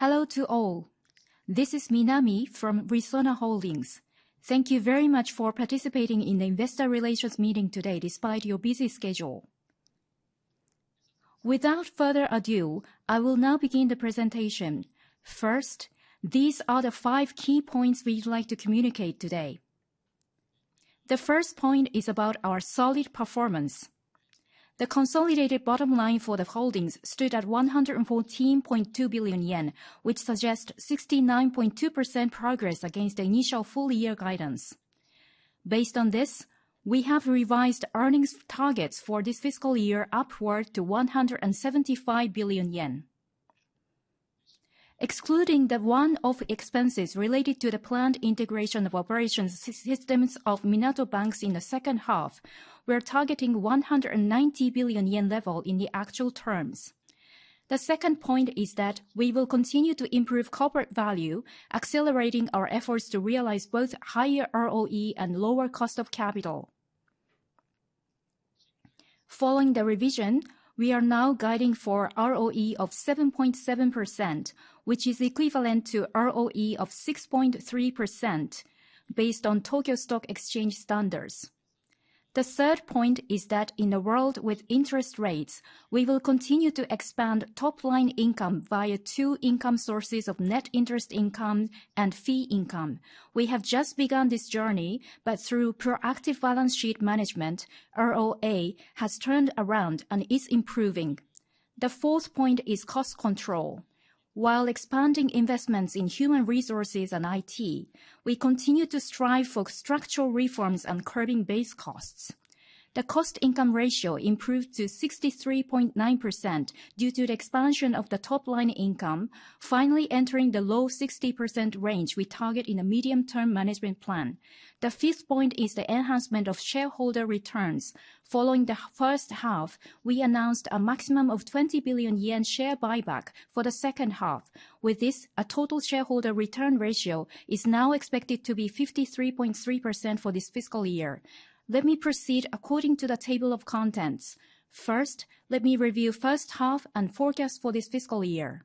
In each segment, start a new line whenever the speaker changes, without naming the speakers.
Hello to all. This is Minami from Resona Holdings. Thank you very much for participating in the investor relations meeting today despite your busy schedule. Without further ado, I will now begin the presentation. First, these are the five key points we'd like to communicate today. The first point is about our solid performance. The consolidated bottom line for the holdings stood at 114.2 billion yen, which suggests 69.2% progress against the initial full-year guidance. Based on this, we have revised earnings targets for this fiscal year upward to 175 billion yen. Excluding the one-off expenses related to the planned integration of operations systems of Minato Bank in the second half, we're targeting 190 billion yen level in the actual terms. The second point is that we will continue to improve corporate value, accelerating our efforts to realize both higher ROE and lower cost of capital. Following the revision, we are now guiding for ROE of 7.7%, which is equivalent to ROE of 6.3% based on Tokyo Stock Exchange standards. The third point is that in a world with interest rates, we will continue to expand top-line income via two income sources of net interest income and fee income. We have just begun this journey, but through proactive balance sheet management, ROA has turned around and is improving. The fourth point is cost control. While expanding investments in human resources and IT, we continue to strive for structural reforms and curbing base costs. The cost-income ratio improved to 63.9% due to the expansion of the top-line income, finally entering the low 60% range we target in the medium-term management plan. The fifth point is the enhancement of shareholder returns. Following the first half, we announced a maximum of 20 billion yen share buyback for the second half. With this, a total shareholder return ratio is now expected to be 53.3% for this fiscal year. Let me proceed according to the table of contents. First, let me review the first half and forecast for this fiscal year.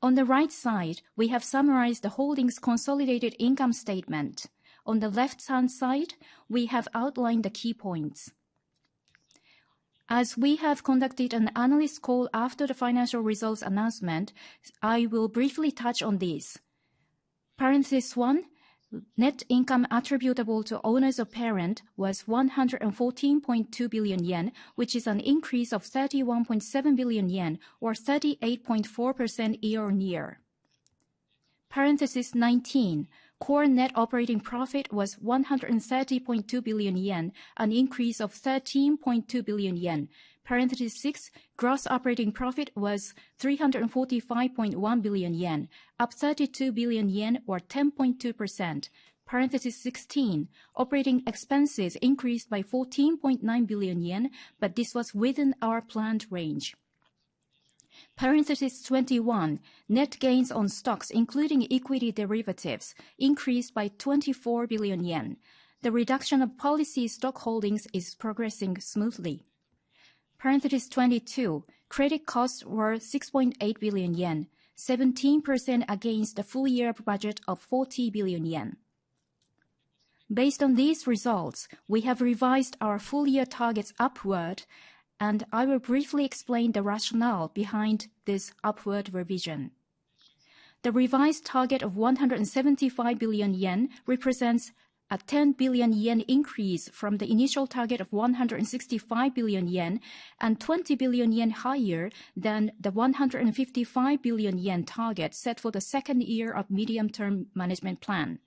On the right side, we have summarized the holdings' consolidated income statement. On the left-hand side, we have outlined the key points. As we have conducted an analyst call after the financial results announcement, I will briefly touch on these. Parenthesis one, net income attributable to owners of parent was 114.2 billion yen, which is an increase of 31.7 billion yen, or 38.4% year on year. Parenthesis 19, core net operating profit was 130.2 billion yen, an increase of 13.2 billion yen. (6) Gross operating profit was 345.1 billion yen, up 32 billion yen, or 10.2%. (16) Operating expenses increased by 14.9 billion yen, but this was within our planned range. (21) Net gains on stocks, including equity derivatives, increased by 24 billion yen. The reduction of policy stock holdings is progressing smoothly. (22) Credit costs were 6.8 billion yen, 17% against the full-year budget of 40 billion yen. Based on these results, we have revised our full-year targets upward, and I will briefly explain the rationale behind this upward revision. The revised target of 175 billion yen represents a 10 billion yen increase from the initial target of 165 billion yen and 20 billion yen higher than the 155 billion yen target set for the second year of medium-term management plan.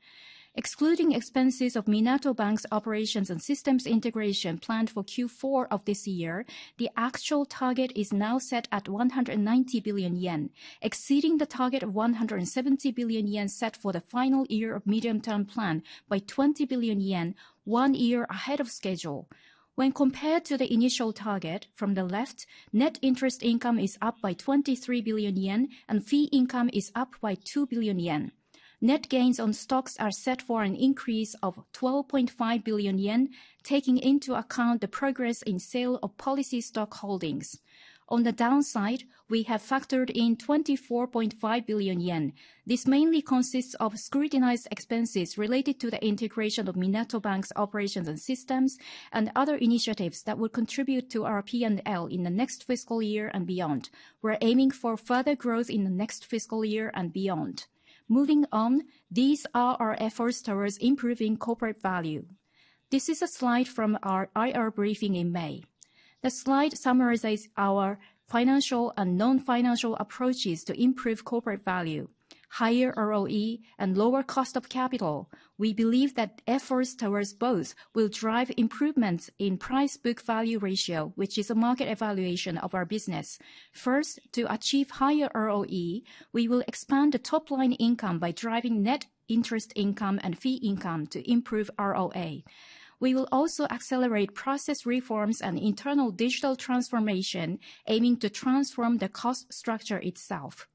Excluding expenses of Minato Bank's operations and systems integration planned for Q4 of this year, the actual target is now set at 190 billion yen, exceeding the target of 170 billion yen set for the final year of medium-term plan by 20 billion yen, one year ahead of schedule. When compared to the initial target, from the left, net interest income is up by 23 billion yen, and fee income is up by 2 billion yen. Net gains on stocks are set for an increase of 12.5 billion yen, taking into account the progress in sale of policy stock holdings. On the downside, we have factored in 24.5 billion yen. This mainly consists of scrutinized expenses related to the integration of Minato Bank's operations and systems and other initiatives that will contribute to our P&L in the next fiscal year and beyond. We're aiming for further growth in the next fiscal year and beyond. Moving on, these are our efforts towards improving corporate value. This is a slide from our IR briefing in May. The slide summarizes our financial and non-financial approaches to improve corporate value: higher ROE and lower cost of capital. We believe that efforts towards both will drive improvements in price-book value ratio, which is a market evaluation of our business. First, to achieve higher ROE, we will expand the top-line income by driving net interest income and fee income to improve ROA. We will also accelerate process reforms and internal digital transformation, aiming to transform the cost structure itself.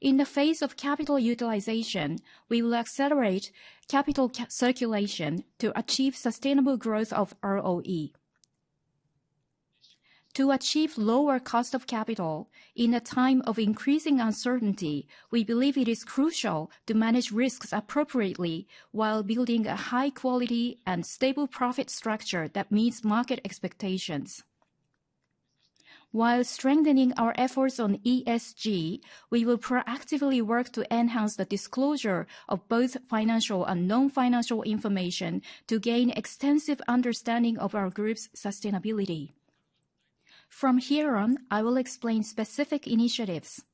In the phase of capital utilization, we will accelerate capital circulation to achieve sustainable growth of ROE. To achieve lower cost of capital in a time of increasing uncertainty, we believe it is crucial to manage risks appropriately while building a high-quality and stable profit structure that meets market expectations. While strengthening our efforts on ESG, we will proactively work to enhance the disclosure of both financial and non-financial information to gain extensive understanding of our group's sustainability. From here on, I will explain specific initiatives.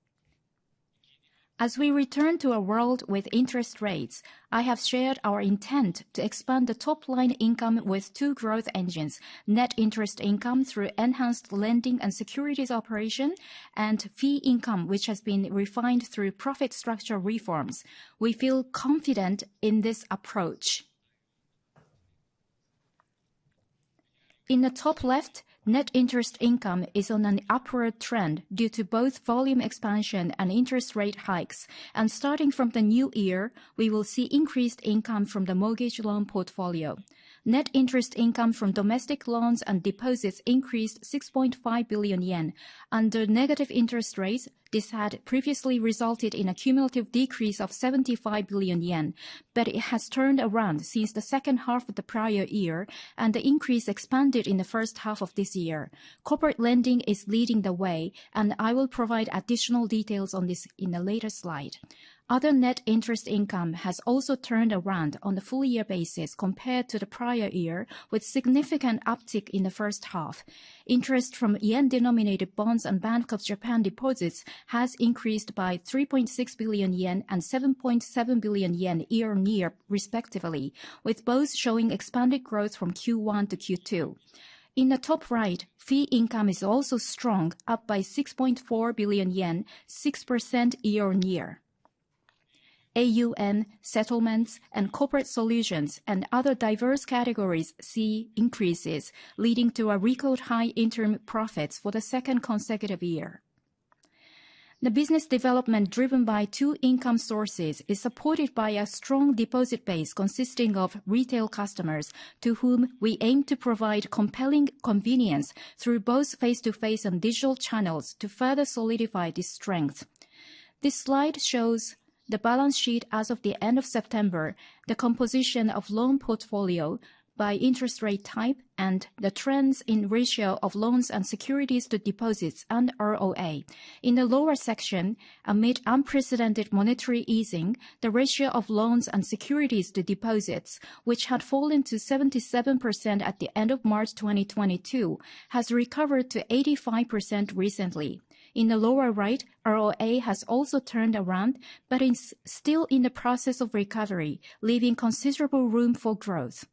As we return to a world with interest rates, I have shared our intent to expand the top-line income with two growth engines: net interest income through enhanced lending and securities operation, and fee income, which has been refined through profit structure reforms. We feel confident in this approach. In the top left, net interest income is on an upward trend due to both volume expansion and interest rate hikes. Starting from the new year, we will see increased income from the mortgage loan portfolio. Net interest income from domestic loans and deposits increased 6.5 billion yen. Under negative interest rates, this had previously resulted in a cumulative decrease of 75 billion yen, but it has turned around since the second half of the prior year, and the increase expanded in the first half of this year. Corporate lending is leading the way, and I will provide additional details on this in the later slide. Other net interest income has also turned around on a full-year basis compared to the prior year, with significant uptick in the first half. Interest from yen-denominated bonds and Bank of Japan deposits has increased by 3.6 billion yen and 7.7 billion yen year on year, respectively, with both showing expanded growth from Q1 to Q2. In the top right, fee income is also strong, up by 6.4 billion yen, 6% year on year. AUM, settlements, and corporate solutions, and other diverse categories see increases, leading to a record high interim profits for the second consecutive year. The business development driven by two income sources is supported by a strong deposit base consisting of retail customers, to whom we aim to provide compelling convenience through both face-to-face and digital channels to further solidify this strength. This slide shows the balance sheet as of the end of September, the composition of loan portfolio by interest rate type, and the trends in ratio of loans and securities to deposits and ROA. In the lower section, amid unprecedented monetary easing, the ratio of loans and securities to deposits, which had fallen to 77% at the end of March 2022, has recovered to 85% recently. In the lower right, ROA has also turned around, but is still in the process of recovery, leaving considerable room for growth.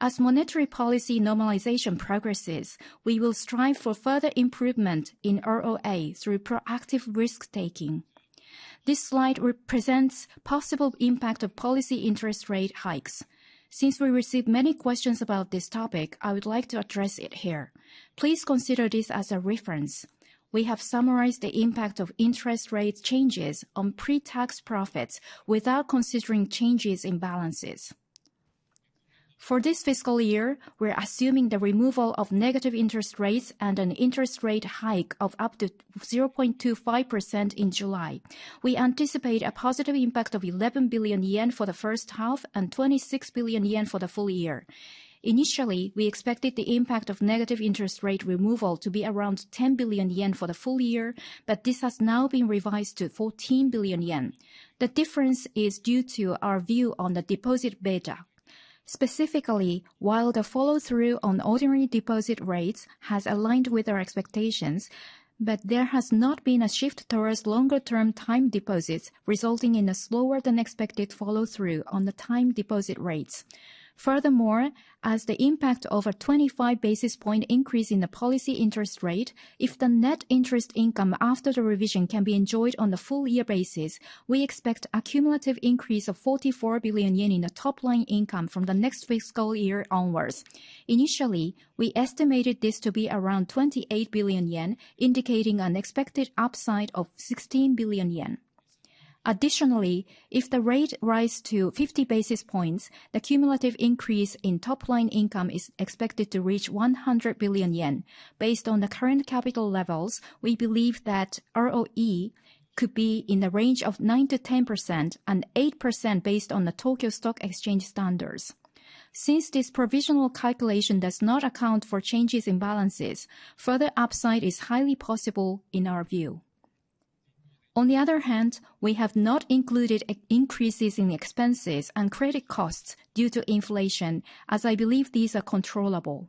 As monetary policy normalization progresses, we will strive for further improvement in ROA through proactive risk-taking. This slide represents the possible impact of policy interest rate hikes. Since we received many questions about this topic, I would like to address it here. Please consider this as a reference. We have summarized the impact of interest rate changes on pre-tax profits without considering changes in balances. For this fiscal year, we're assuming the removal of negative interest rates and an interest rate hike of up to 0.25% in July. We anticipate a positive impact of 11 billion yen for the first half and 26 billion yen for the full year. Initially, we expected the impact of negative interest rate removal to be around 10 billion yen for the full year, but this has now been revised to 14 billion yen. The difference is due to our view on the deposit beta. Specifically, while the follow-through on ordinary deposit rates has aligned with our expectations, there has not been a shift towards longer-term time deposits, resulting in a slower-than-expected follow-through on the time deposit rates. Furthermore, as the impact of a 25 basis point increase in the policy interest rate, if the net interest income after the revision can be enjoyed on a full-year basis, we expect an accumulative increase of 44 billion yen in the top-line income from the next fiscal year onwards. Initially, we estimated this to be around 28 billion yen, indicating an expected upside of 16 billion yen. Additionally, if the rate rises to 50 basis points, the cumulative increase in top-line income is expected to reach 100 billion yen. Based on the current capital levels, we believe that ROE could be in the range of 9%-10% and 8% based on the Tokyo Stock Exchange Standards. Since this provisional calculation does not account for changes in balances, further upside is highly possible in our view. On the other hand, we have not included increases in expenses and credit costs due to inflation, as I believe these are controllable.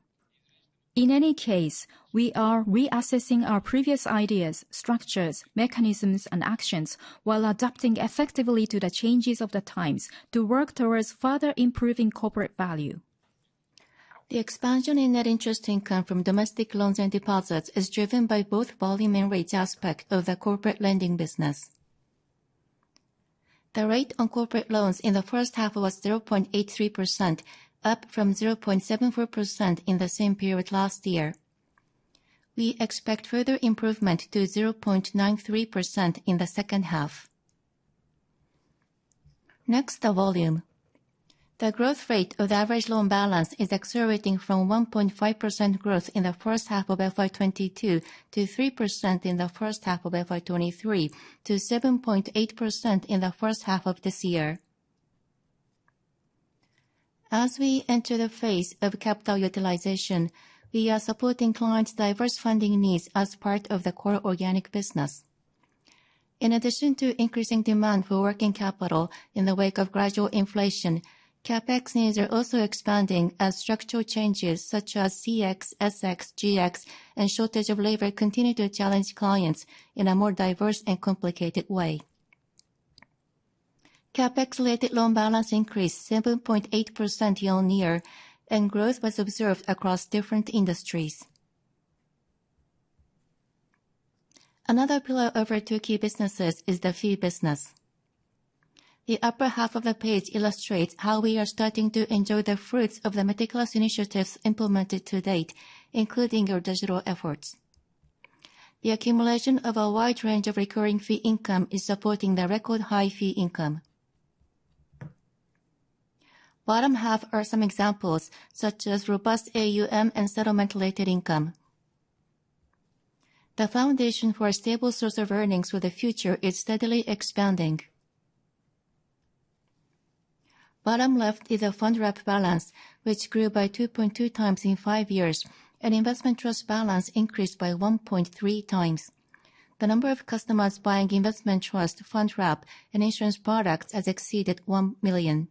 In any case, we are reassessing our previous ideas, structures, mechanisms, and actions while adapting effectively to the changes of the times to work towards further improving corporate value. The expansion in net interest income from domestic loans and deposits is driven by both volume and rate aspects of the corporate lending business. The rate on corporate loans in the first half was 0.83%, up from 0.74% in the same period last year. We expect further improvement to 0.93% in the second half. Next, the volume. The growth rate of the average loan balance is accelerating from 1.5% growth in the first half of FY2022 to 3% in the first half of FY2023 to 7.8% in the first half of this year. As we enter the phase of capital utilization, we are supporting clients' diverse funding needs as part of the core organic business. In addition to increasing demand for working capital in the wake of gradual inflation, CapEx needs are also expanding as structural changes such as CX, SX, GX, and shortage of labor continue to challenge clients in a more diverse and complicated way. CapEx-related loan balance increased 7.8% year on year, and growth was observed across different industries. Another pillar of our two key businesses is the fee business. The upper half of the page illustrates how we are starting to enjoy the fruits of the meticulous initiatives implemented to date, including our digital efforts. The accumulation of a wide range of recurring fee income is supporting the record high fee income. Bottom half are some examples, such as robust AUM and settlement-related income. The foundation for a stable source of earnings for the future is steadily expanding. Bottom left is the fund wrap balance, which grew by 2.2 times in five years, and investment trust balance increased by 1.3 times. The number of customers buying investment trust, fund wrap, and insurance products has exceeded one million.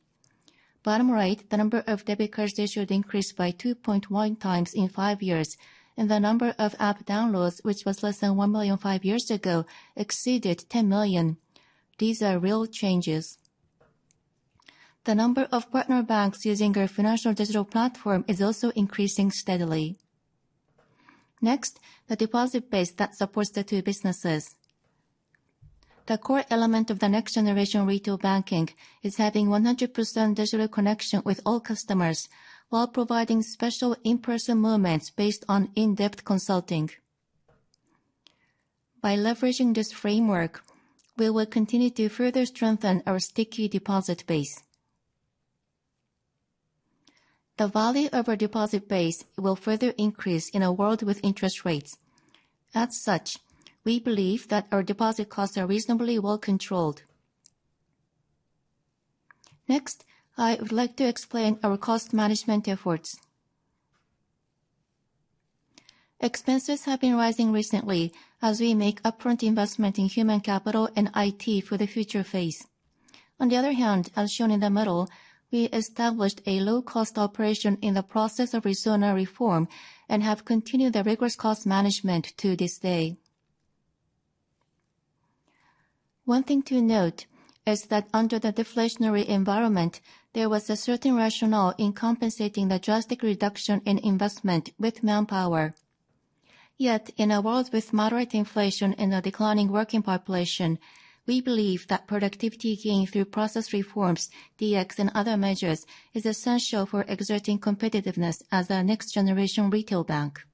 Bottom right, the number of debit cards issued increased by 2.1 times in five years, and the number of app downloads, which was less than one million five years ago, exceeded 10 million. These are real changes. The number of partner banks using our financial digital platform is also increasing steadily. Next, the deposit base that supports the two businesses. The core element of the next generation retail banking is having 100% digital connection with all customers while providing special in-person moments based on in-depth consulting. By leveraging this framework, we will continue to further strengthen our sticky deposit base. The value of our deposit base will further increase in a world with interest rates. As such, we believe that our deposit costs are reasonably well controlled. Next, I would like to explain our cost management efforts. Expenses have been rising recently as we make upfront investment in human capital and IT for the future phase. On the other hand, as shown in the middle, we established a low-cost operation in the process of Resona reform and have continued the rigorous cost management to this day. One thing to note is that under the deflationary environment, there was a certain rationale in compensating the drastic reduction in investment with manpower. Yet, in a world with moderate inflation and a declining working population, we believe that productivity gain through process reforms, DX, and other measures is essential for exerting competitiveness as a next-generation retail bank.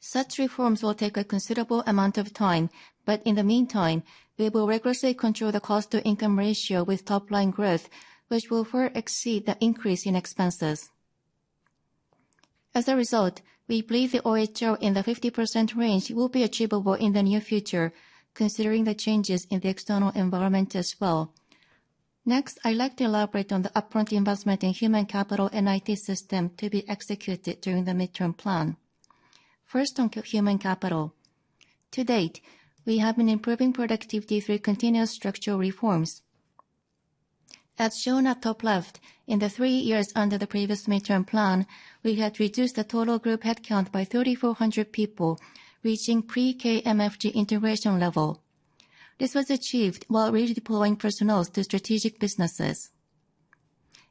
Such reforms will take a considerable amount of time, but in the meantime, we will rigorously control the cost-to-income ratio with top-line growth, which will far exceed the increase in expenses. As a result, we believe the OHR in the 50% range will be achievable in the near future, considering the changes in the external environment as well. Next, I'd like to elaborate on the upfront investment in human capital and IT system to be executed during the midterm plan. First, on human capital. To date, we have been improving productivity through continuous structural reforms. As shown at top left, in the three years under the previous midterm plan, we had reduced the total group headcount by 3,400 people, reaching pre-KMFG integration level. This was achieved while redeploying personnel to strategic businesses.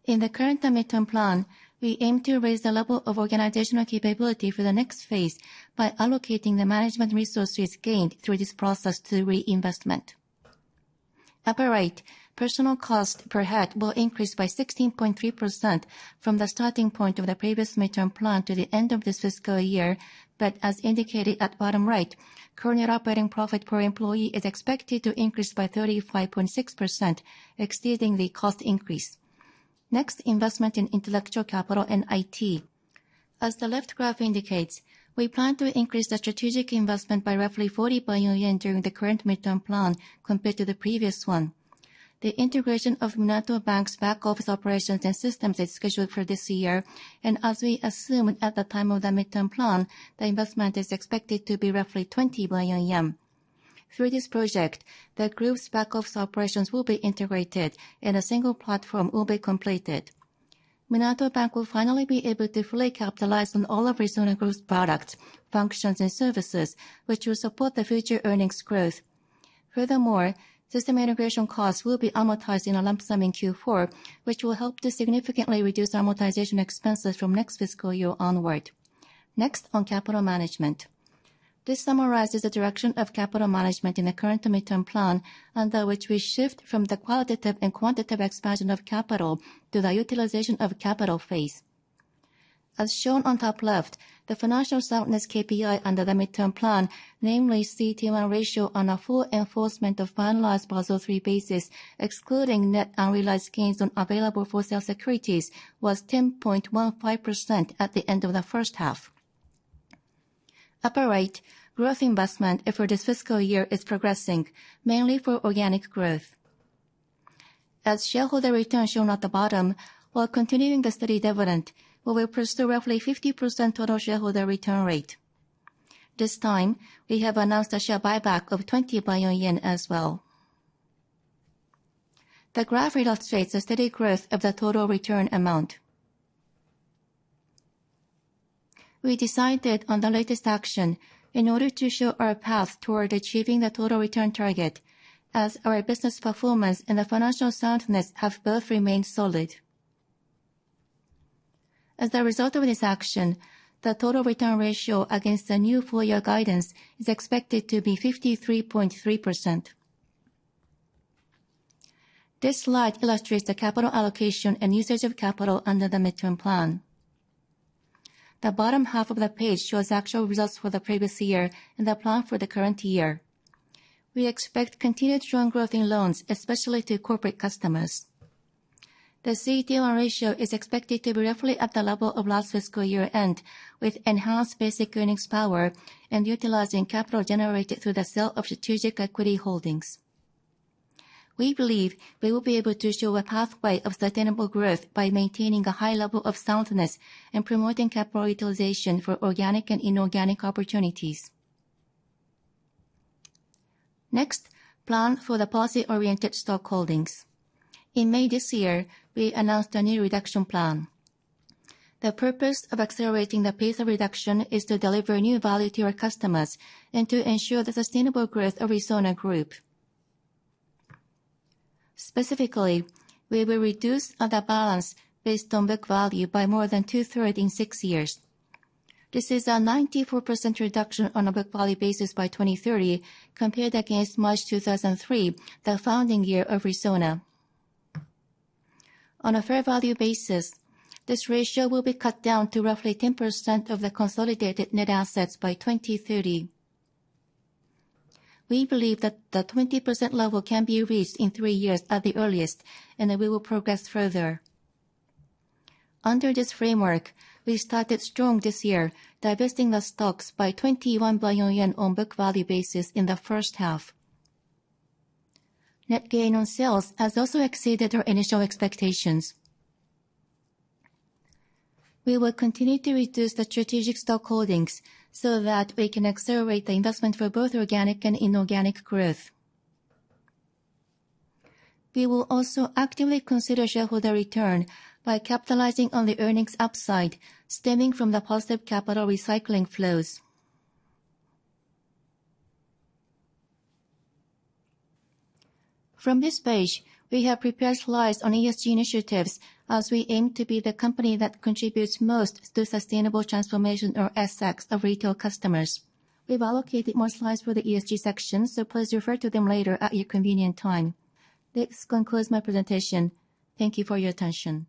In the current midterm plan, we aim to raise the level of organizational capability for the next phase by allocating the management resources gained through this process to reinvestment. Upper right, personnel cost per head will increase by 16.3% from the starting point of the previous midterm plan to the end of this fiscal year, but as indicated at bottom right, current operating profit per employee is expected to increase by 35.6%, exceeding the cost increase. Next, investment in intellectual capital and IT. As the left graph indicates, we plan to increase the strategic investment by roughly 40 billion yen during the current midterm plan compared to the previous one. The integration of Minato Bank's back office operations and systems is scheduled for this year, and as we assumed at the time of the midterm plan, the investment is expected to be roughly 20 billion yen. Through this project, the group's back office operations will be integrated, and a single platform will be completed. Minato Bank will finally be able to fully capitalize on all of Resona Group's products, functions, and services, which will support the future earnings growth. Furthermore, system integration costs will be amortized in a lump sum in Q4, which will help to significantly reduce amortization expenses from next fiscal year onward. Next, on capital management. This summarizes the direction of capital management in the current midterm plan, under which we shift from the qualitative and quantitative expansion of capital to the utilization of capital phase. As shown on top left, the financial soundness KPI under the midterm plan, namely CET1 ratio on a full enforcement of finalized Basel III basis, excluding net unrealized gains on available-for-sale securities, was 10.15% at the end of the first half. Upper right, growth investment for this fiscal year is progressing, mainly for organic growth. As shareholder returns shown at the bottom, while continuing the steady dividend, we will pursue roughly 50% total shareholder return rate. This time, we have announced a share buyback of 20 billion yen as well. The graph illustrates the steady growth of the total return amount. We decided on the latest action in order to show our path toward achieving the total return target, as our business performance and the financial soundness have both remained solid. As a result of this action, the total return ratio against the new four-year guidance is expected to be 53.3%. This slide illustrates the capital allocation and usage of capital under the midterm plan. The bottom half of the page shows actual results for the previous year and the plan for the current year. We expect continued strong growth in loans, especially to corporate customers. The CET1 ratio is expected to be roughly at the level of last fiscal year end, with enhanced basic earnings power and utilizing capital generated through the sale of strategic equity holdings. We believe we will be able to show a pathway of sustainable growth by maintaining a high level of soundness and promoting capital utilization for organic and inorganic opportunities. Next, plan for the policy-oriented stock holdings. In May this year, we announced a new reduction plan. The purpose of accelerating the pace of reduction is to deliver new value to our customers and to ensure the sustainable growth of Resona Group. Specifically, we will reduce the balance based on book value by more than two-thirds in six years. This is a 94% reduction on a book value basis by 2030, compared against March 2003, the founding year of Resona. On a fair value basis, this ratio will be cut down to roughly 10% of the consolidated net assets by 2030. We believe that the 20% level can be reached in three years at the earliest, and we will progress further. Under this framework, we started strong this year, divesting the stocks by 21 billion yen on book value basis in the first half. Net gain on sales has also exceeded our initial expectations. We will continue to reduce the strategic stock holdings so that we can accelerate the investment for both organic and inorganic growth. We will also actively consider shareholder return by capitalizing on the earnings upside stemming from the positive capital recycling flows. From this page, we have prepared slides on ESG initiatives as we aim to be the company that contributes most to sustainable transformation or SX of retail customers. We've allocated more slides for the ESG section, so please refer to them later at your convenient time. This concludes my presentation. Thank you for your attention.